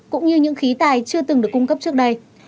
cũng như những khí tài chưa từng được cung cấp trước đây